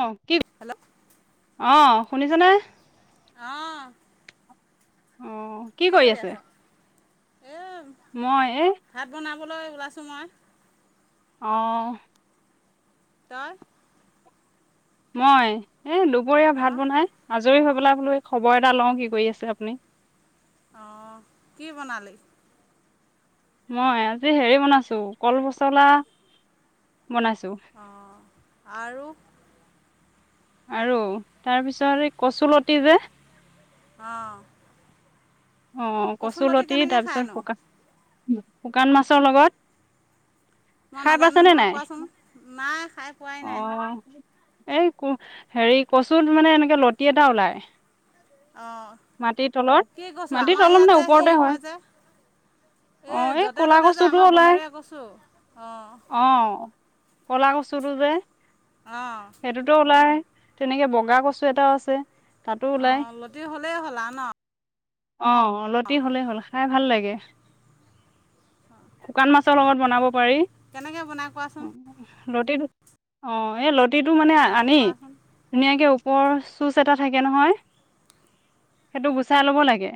অ কি হেল্ল' অ'হ। শুনিছনে। অহ অ কি কৰি আছ? মই এ। খুবলৈ ওলাইছোঁ মই। অহ। তই। মই। এ দুপৰীয়া অ ভাত বনাই আজৰি হৈ। বা বোলো খবৰ এটা লওঁ কি কৰি আছে আপুনি। অঁ কি বনালি। মই আজি হেৰি বনাইছো কল পচলা। বনাইছো। অঁ আৰু আৰু তাৰপিছত এই কচুলতি যে। অঁ'হ। অ কচুলতি তাৰপিছত খায়নো ফুকা। শুকান মাছৰ লগত। মই খাই নাজানো পাইছেনে নহয় নাই কোৱাচোন নাই খাই পোৱাই অ নাই। এই ক হেৰি কচুত মানে এনেকে লতি এটা ওলাই। অ মাটিৰ তলত কি কছু কছোঁ মাটিৰ আমাৰ তলত ইয়াত মানে যে ওপৰতে হেৰি হয় যে অ এই য'তে ক'লা ত'তে যে কচুটো আমাৰ ওলাই বনৰীয়া কৈছোঁ অঁহ। অ কলা কচুৰটো যে। অঁ সেইটোতো ওলাই। তেনেকে বগা কচু এটাও আছে। তাতো অ ওলাই লতি হ'লেই হ'লা ন। অ অলতে অঁ হ'লেই হ'ল খাই ভাল লাগে। [unintelligible] শুকান মাছৰ লগত বনাব পাৰি কেনেকৈ বনাই কোৱাচোন ৰুটি। অ এ লত। গুটিটো মানে অঁ আনি কোৱাচোন ধুনীয়াকে। কপৰ চুজ এটা থাকে নহয় সেইটো গুচাই ল'ব লাগে ে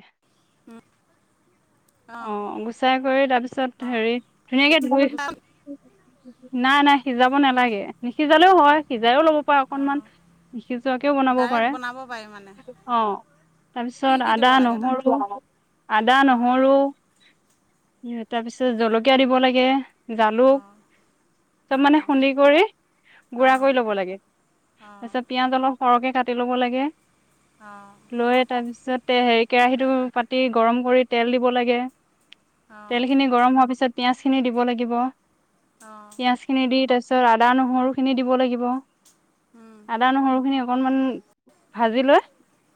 অঁ আহ গুচাই কৰি তাৰ পিছত অঁ হেৰি ধুনীয়াকে ধুই নাই নাই সিজাব নালাগে নিসিজালেও হয়ি লব পাৰে অকনমান অঁ সসিজোৱাকেও বনাব ডাইৰেক্ট পাৰে বনাব পাৰি মানে অ কি তাৰপিছত কি আদা দিব লাগে ন তাত নহৰু আদা অঁ নহৰু উ তাৰপিছত জলকীয়া দিব লাগে জালুক অঁ চব মানে অঁ খুন্দি কৰি অঁ অঁ গুড়া অঁ কৰি ল'ব লাগে তাৰ পিছত পিয়াজ অলপ সৰহকে কাটি ল'ব লাগে লৈ তাৰপিছতে হেৰি কেৰাহীটো পাতি গৰম কৰি তেল দিব লাগে তেল খিনি গৰম হোৱাৰ পিছত পিয়াজিন চিনি দিব লাগিব অঁ পিয়য়াজ খিনি দি এ ত আছো তাৰপিছত আদা নহৰু খিনি দিব লাগিব আদা নহৰু খিনি অকনমান [inaudible] ভাজি লৈ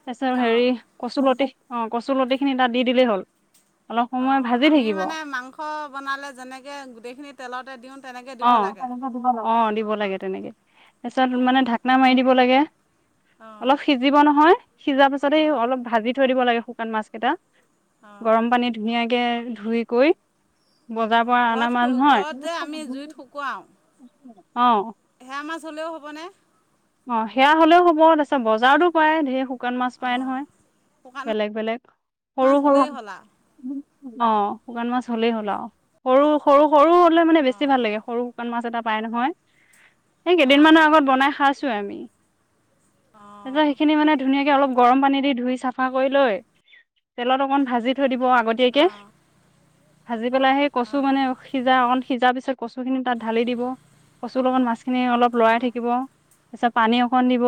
তাৰপিছত অঁ হেৰি অঁ কচুলতি অ কচুৰ লতিি খিনি তাত দি দিলেই হ'ল অলপ অ সময় ভাজি আমি থাকিব মানে অ মাংস বনালে যেনেকে গোটেইখিনি তেলতে দিওঁ তেনেকৈ অ দিব লাগে অ লাগে তেনেকে তাৰ পিছত অঁ মানে ঢাকনা মাৰি দিব লাগে অঁ অলপ সিজিব নহয় সিজাৰ পিছতে অঁ অলপ ভাজি থৈ দিব লাগে শুকান মাছ কেইটা অঁ গৰম পানী ধুনীয়াকে ধুই কৈ বজাৰ অঁ পৰা অনা ঘৰত মানু নহয় ঘৰত যে আমি জুইত শুকুৱওঁ অ সেৰা মাছ হ'লেও হ'বনে অ সেয়া হলেও হ'ব তাৰিছ বাৰতো পায় ধেৰ শুকান মাছ পায় অঁ নহয় শুকান বেলেগ বেলেগ সৰু মাছ সৰু হ'লেই হ'ল আৰু অ শুকান মাছ হ'লেই হ'ল আৰু সৰু সৰু সৰু হ মানে বেছি অঁ ভালাগেৰু শুান মা এটা পাই নহয় এ কেইদিন অঁ মানৰ আগত বনাই খাইছো তো আমি অঁ গৰম পানী দি ধুই চাফ কৰি লৈ তেলত অক ভাজি থৈ দিব হোৱা আগতীয়াকে অঁ ভাজি পেলাই সেই কচু মানে সিজা অকন সিজা পিছত কচু খিনি তাত ঢালি দিব কচুৰ লগত মাছ খিনি অলপ লৰাই থাকিব তাৰ পিছত পানী দিব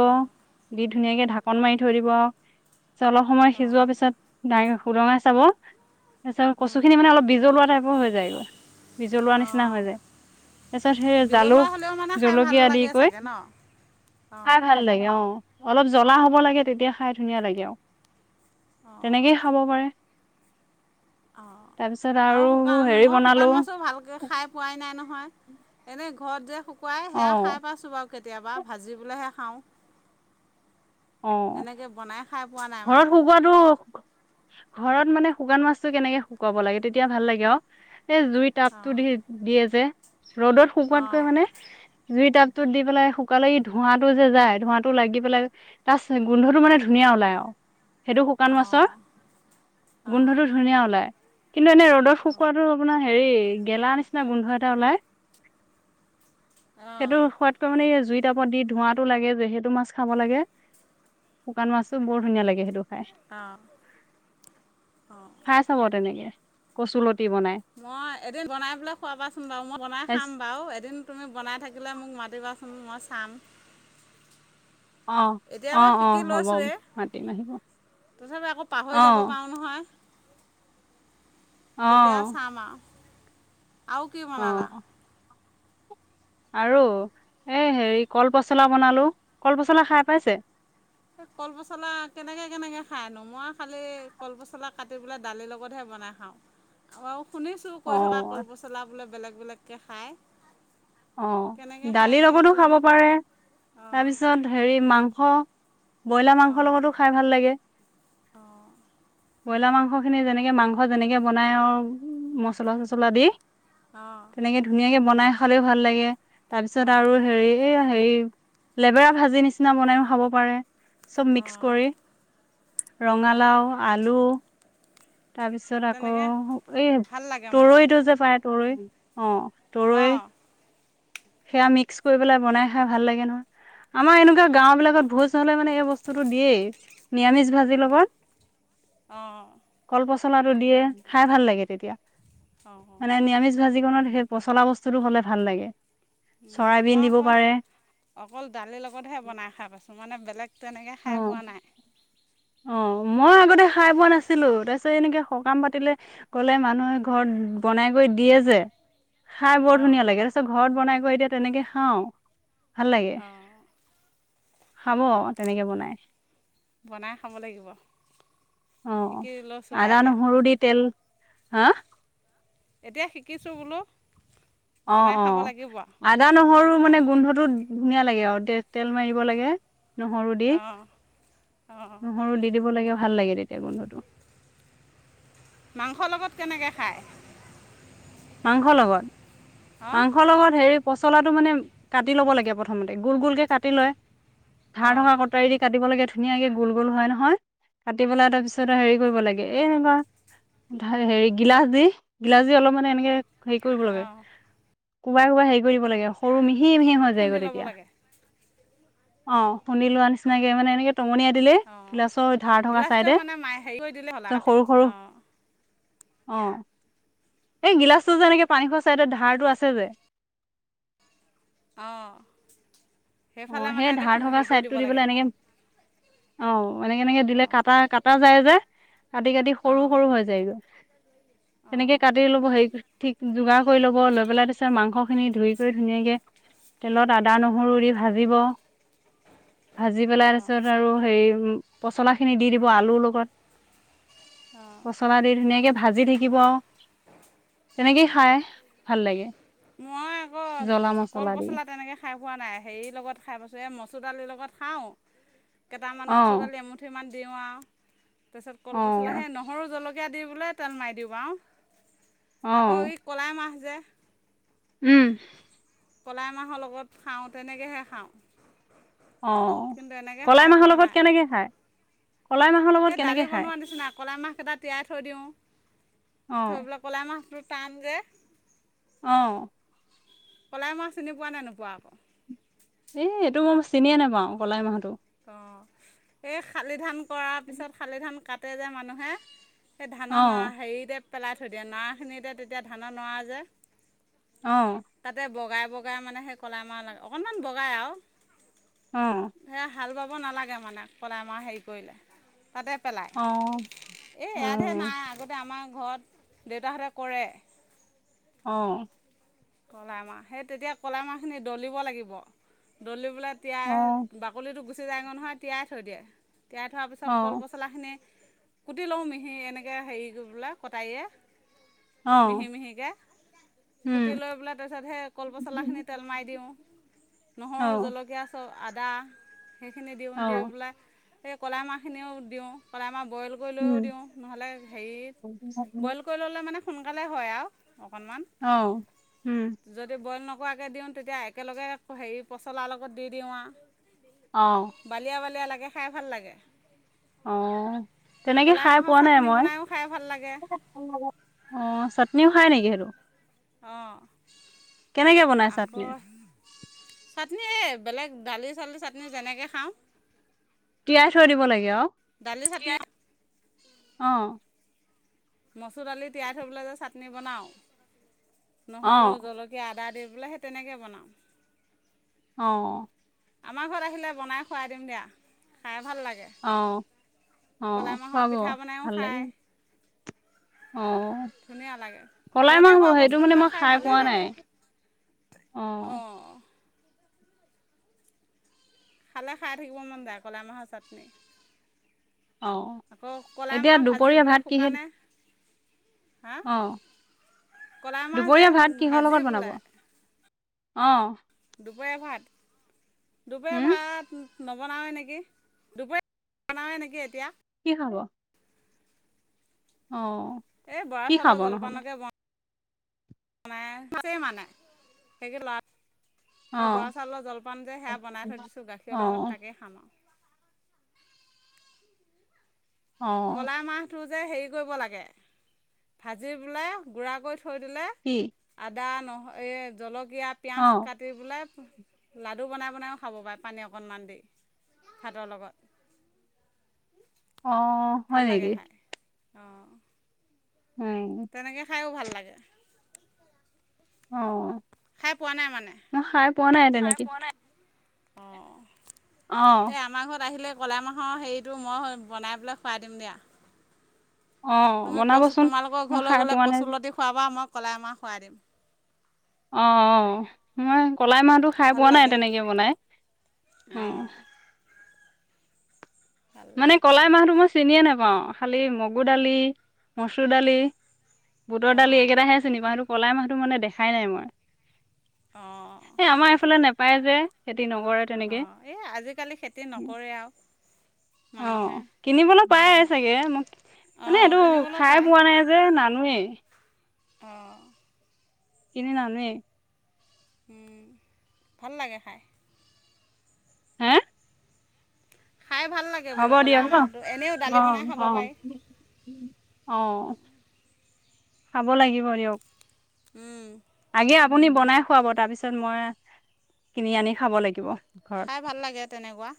দি ধুনীয়াকে ঢাকন মাৰি থৈ দিব পিছত অলপ সময় অঁ সিজোৱাৰ অঁ পিছত সুৰঙা চাব তাৰপিছত কচু অঁ খিনি মানে অলপ বিজলোৱা টাইপৰ হৈ যায় এইা বিজলোৱা নিচিনা অঁ হৈ যায় তাৰ পিছত সেই বিজলুৱা জালুক হ'লেও মানে খাই ভাল জলকীয়া আদি লাগে কৈ চাগে ন খাই অঁ ভাল লাগে অ অলপ জ্বলা হ'ব লাগে তেতিয়া খাই ধুনীয়া লাগে অঁ তেনেকেই খাব পাৰে অঁ তাৰপিছত আৰু শুকান হেৰি মই বনালো শুকান মাছো ভালকৈ খাই পোৱাই নাই নহয় এনে ঘৰত যে শুকুৱাই অ সেয়া খাই পাইছোঁ বাৰু কেতিয়াবা ভাজিবলৈহে খাওঁ অ এনেকৈ বনাই খাই পোৱা নাই ঘৰত মানে শুকুৱাটো ঘৰত মানে শুকান মাছতটো কেনেকে শুকুৱাব লাগে তেতিয়া ভাল লাগে অ সেই জুই তাপটো অঁ দি দিয়ে যে ৰ'দত শুকুৱাতকৈ অঁ মানে জুই তাত তো দি পেলাই শুকালে ধোঁৱাতটো যে যায় ধোঁৱাটো লাগি পেলাই তাৰ গোন্ধটো মানে ধুনীয়া ওলাই আৰু সেইটো শুকান মাছৰ অঁ গোন্ধটো ধুনীয়া ওলাই কিন্তু এনে ৰ'দত শুকুৱাটো আপোনাৰ হেৰি গেলা নিচিনা গোন্ধ এটা ওলাই অঁ অঁ সেইটো সোৱাদকৈ মানে জুইত এতিয়া ওপৰত দি ধোঁৱাতটো লাগে যে সেইটো মাছ খাব লাগে শুকান মাছো বৰ ধুনীয়া লাগে সেইটো খাই অঁ অঁ খাই চাব তেনেকে কচুলতি বনাই মই এদিন বনাই পোলে খোৱাই পাইছো বাৰু মই বনাই খাম বাৰু এদিন তুমি বনাই থাকিলে মোক মাতি দিবাচোন মই চাম অঁ এতিয়া অঁ বাৰু অঁ শিকি হ'ব লৈছৱে মাতিম আহিব তথাপি আকৌ পাহৰি যাব অঁ পাৰো নহয় তেতিয়া অঁ চাম অ আৰু কি বনালা। অঁ আৰু এই হেৰি কল পচলা বনালো, কল পচলা খাই পাইছে। কল পচলা কেনেকে কেনেকে খাই নো মই খালি কল পচলা কাটি পেলাই দালিৰ লগতহে বনাই খাওঁ আৰু শুনিছো কৈ থকা কল অঁ পচলা বোলে বেলেগ। বেলেগ কে খায়। অ কেনেকৈ খায় দালিৰ লগতো খাব সেইটোহে পাৰে, অঁ তাৰপিছত হেৰি মাংস হা ব্ৰইলাৰ মাংসৰ অঁ লগতো খাই ভাল লাগে। অঁ ব্ৰইলাৰ মাংসখিনি যেনেকৈ মাংস যেনেকৈ বনাই আৰু মছলা চছলা দি তেনেকে ধুনীয়াকে বনাই খালেও ভাল লাগে অঁ তাৰপিছত আৰু হেৰি এয়া হেৰি লেবেৰা ভাজি নিচিনা বনাইও খাব পাৰে। চব অঁ মিক্স অঁ কৰি অঁ ৰঙালাও আলু তাৰ পিছত আকৌ তেনেকৈ এই ভাল লাগে মানে তৰৈটো যে পায় তৰৈ অ অঁ তৰৈ সেয়া মিক্স কৰি পেলাই বনাই খাই ভাল লাগে নহয়। আমাৰ এনেকুৱা গাও বিলাকত ভোজ হলে মানে সেই বস্তোতো দিয়ে নিয়ামিজ ভাজি অঁ লগত, অঁ কল পছ মচলাটো দিয়ে খাই ভাল লাগে তেতিয়া। মানে অঁ নিৰামিষ ভাজিকণত সেই, পচলা বস্তুটো হ'লে ভাল লাগে চৰাইবিন মই দিব আকৌ পাৰে অকল দালিৰ লগতহে বনাই খাই পাইছোঁ। মানে বেলেগ তেনেকে খাই অ' পোৱা নাই। অ মই আগতে খাই পোৱা নাছিলো। তাৰপিছত এনেকে সকাম পাতিলে গলে মানুহে ঘৰত বনাই কৰি দিয়ে যে, খাই বৰ অঁ ধুনীয়া লাগে। তাৰ পিছত ঘৰত বনাই এতিয়া তেনেকে খাওঁ। ভাল লাগে। অঁ খাব তেনেকে বনাই। বনাই খাব লাগিব। অ শিকি লৈছোঁ আৰু আদি এতিয়া নহুৰু দি তেল, হা এতিয়া শিকিছোঁ বোলো। অ বনাই অ খাব লাগিব আদা নহৰু মানে আৰু গোন্ধটোত ধুনীয়া লাগে আৰু তে তেল মাৰিব লাগে নহৰু দি অঁ অঁ নহৰু দি দিব লাগে ভাল লাগে তেতিয়া গোন্ধটো মাংসৰ লগত কেনেকৈ খায় মাংস লগত অঁ মাংসৰ লগত হে পচলাটো মানে কাটি ল'ব লাগে প্ৰথমতে গোল গোলকে কাটি লয় ধাৰ ধঢঙ অঁ কটাৰী দি কাটিবাগে থ ধুনীয়াকে গোল গোল হয় নহয় কাটি পেলাই তাৰপিছত হেৰি কৰিব লাগে এই এনেকুৱা হেৰি গিলাচ দি গিলাচ দি অলপমানানে এ [inaudible] সে কৰিব লে অঁ কোবাই কোবা হে কৰিব লাগে সৰু মিহি হিম হিম হৈ যায়গ খুন্দি ল'ব তেতিয়া লাগে অ শুনিলো আনিছো নিচিনাকে মানে এনেকে টমনিয় দিলে অঁ গিলাচৰ ধাৰ থকা গিলাচটোৱে চাইডে মানে মাই হেৰি কৰি দিলে হ'ল আৰু তাৰত কাটি সৰু সৰু অঁ অ এই গিলাচটো যে এনেকে পানী খোৱা চাইডত ধাৰটো আছে যে অঁ অ সেইফালে মানে সেই এনেই ধাৰ খুন্দি থকা হেৰি কৰি চাইড দিব টো লাগে দিবলে আৰু এনেকে অ অ এনেকে এনেকে দিলে অঁ কটা কটা যায় যে কাটি কাটি সৰু অঁ সৰু হৈ যায়গৈ অঁ তেেনেকে কাটি লব সে ঠিক যোগাৰ কৰি লব লৈ পেলাই তাৰিছত মাংসখিনি ধুই কৰি ধুনীয়াকে তেলত আদা নহৰু দি ভাজি পেলাই অঁ পিছত আৰু হে পচলা খিনি দি দিব আলুৰ লগত মচলা দি ধুনীয়াকে ভাজি থাকিব তেনেকেই খাই ভাল লাগে মই আকৌ জ্বলা মচলা দি ম লগত খাই পাইছোঁ মচুৰ দালিৰ লগত খাওঁ কেইটামান অ মচুৰ দালি এমুঠি ইমান দেৱা তাৰছত কল অ ব চলাহে নহৰু জলক া দি বোলে তেল মাৰি দিবা অ আকৌ এই কলাই মাহ যো উম কলাইমাহৰ লগত খাওঁ তেনেকৈহে খাওঁ অ কিন্তু এনেকৈ কলাই খাই মাহৰ পোৱা লগত নাই কেনেকে খায়? কলাই মাহৰ সেই লগত দালি কেনেকে খায়? বনোৱা নিচিনা কলাই মাহ কেইটা তিয়াই থৈ দিওঁ। অ থৈ পেলাই কলাই মাহ। টান যে অ'। কলাই মাহ চিনি পোৱা নে নোপোৱা আকৌ? এ এইটো মই চিনিয়ে নেপাওঁ কলাই মাহতো। অ' এই শালি ধান কৰাৰ পিছত শালি ধান কাটে যে মানুহে সেই অ ধানৰ নৰা হেৰিৰে পেলাই থৈ দিয়ে নৰা খিনিতে তেতিয়া ধানৰ নৰা যে অ তাতে বগাই বগাই মানে সেই কলাই মাহ লাগে অকণমান বগাই আৰু। অ'। ভাল পাব নালাগে মানে। কলাই মাহ হেৰি কৰিলে। তাতে পেলায়। অ এই অ ইয়াতহে নাই। আগতে আমাৰ ঘৰত দেউতাহঁতে কৰে। অ। কলাইমাহ। সেই তেতিয়া কলাই মাহখিনি দলিব লাগিব। দলি পেলাই এতিয়া অ বাকলিটো গুচাই নহয় তিয়াই থৈ দিয়ে। তিয়াই থোৱাৰ অ পিছত কল পচলাখিনি কুটি লওঁ মিহি এনেকে হেৰি কৰি পেলাই কটাৰীৰে অ', কুটি উম। লৈ পেলাই তাৰ পিছত সেই কলপচলাখিনি তেল মাৰি দিওঁ। অ নহৰু, জলকীয়া চ আদা। সেইখিনি দিওঁ। অ দি পেলাই কলাই মাহখিনিও দিওঁ। কলাইমাহ বইল কৰি লৈও উম দিওঁ। নহ'লে, হেৰিত। বইল কৰি ল'লে মানে সোনকালে হয় আৰু অকণমান। অ উম যদি বইল নকৰাকে দিওঁ। তেতিয়া একেলগে হেৰি পচলাৰ লগত দি দিওঁ অ আ বালিয়া বালিয়া লাগে কে খাই ভাল লাগে। অ', তেনেকে কলাই খাই মাহৰ পোৱা নাই চাটনি মই। বনায়ো খাই ভাল লাগে অ', চাটনিও খাই নেকি সেইটো? অ'। কেনেকে বনায় চাটনি? চাটনি বেলেগ দালি-চালিৰ চাটনি যেনেকৈ খাওঁ। তিয়াই থৈ দিব লাগে অ'? দালি থাকলে অ', মচুৰ দালি তিয়াই থৈ পেলাই যে চাটনি বনাওঁ! নহৰু, অ', জলকীয়া, আদা দি বোলে সেই তেনেকে বনাওঁ। অ'। আমাৰ ঘৰত আহিলে বনাই খুৱাই দিম দিয়া। খাই ভাল লাগে অহ', কলাই অ', মাহৰ খুৱাব। পিঠা বনাইও ভাল লাগি খায় অ ধুনীয়া লাগে কলাই ঘৰতে মাহ হ'ব হোৱা সেইটো মানে বস্তুবিলাক মই খাই ভালেই পোৱা নাই। লাগে অ অঁ খালে খাই থাকিব মন যাই, কলাই মাহৰ চাটনি। অ', আকৌ এতিয়া কলাইমাহ দুপৰীয়া ভাজিবলে ভাত কিহে শুকানে। হা। অ', কলাই মাহ যে দুপৰীয়া ভাত কিহৰ ভাজি লগত বনাব বোলোই অ দুপৰিয়া ভাত। দুপৰিয়া উম, ভাত। নবনাওয়ে নিকি, দুপৰীয়া নবনাওয়েই নেকি এতিয়া। কি হ'ব অ এই বৰা কি খাব চাউলৰ নহ'লে জলপানকে বন। মায়ে মানে সেই লা অ', বৰা চাউলৰ জলপান যে সেয়া বনাই থৈ দিছোঁ গাখীৰৰ লগত অ', তাকেই খাম। অ', কলা মাহটো যে হেৰি কৰিব লাগে, ভাজি পেলাই গুৰা কৰি থৈ দিলে কি আ দা নহয় এই জলক। এয়া পিঁয়াজ অ', কাটি পেলাই, লাডু বনাই বনাইও খাব পাৰে, পানী অকণমান দি ভাতৰ লগত। অ', ভাল হয় লাগে নেকি খায়। অ উম, তেনেকে খাইও ভাল লাগে। লাগে? অ খাই পোৱা নাই মানে? মই খাই পোৱা নাই খাই তেনেকে পোৱা নাই। অ এ অ', আমাৰ ঘৰত আহিলে কলাই মাহৰ হেৰিটো, মই বনাই পেলাই খুৱাই দিম দিয়া। অ', তুমি কচু, বনাবচোন তোমালোকৰ মই ঘৰলৈ খাই গ'লে পোৱা নাই যে কচুলতি খুৱাবা আমাক। কলাই মাহ খোৱাই দিম? অ অ অহ। কলাই মাহটো খাই ভাল পোৱা নাই লাগে। তেনেকে বনাই। অহ অঁ ভাল মানে লাগে কলাই মাহ তো মোৰ চিনিয়ে নাপাও, খালি মগুদালি, মচুৰ দালি বুটৰ দালি অঁ এইকেইটাহে চিনি পায় সেইটো কলাই মাহটো মানে দেখাই নাই মই এ আমাৰ এইফালে নাপায় পাই যে সেইটো অ এই আজিকালি খেতি নকৰে আৰু। অ মানুহে কিনিবলে নাপাই চাগে মোক মানে অঁ এইটো কিনিবলৈও খাই পায় পোৱা নাই যে নানোৱেই। অঁ কিনি নানোৱে। হ'ম ভাল লাগে খাই। হা খাই ভাল লাগে হ'ব বোলো দিয়া ক'লা ন মাহটো এনেও অ দালি বনাই খাব অ পাৰি অ খাব লাগিব দিয়ক। উম দে আপুনি বনাই খুৱাব তাৰপিছত মই কিনি আনি খাব লাগিব। ঘৰত খাই ভাল লাগে তেনেকুৱা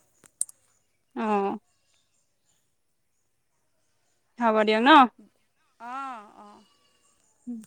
অ হব দিয়ক ন। অঁ অঁ উম।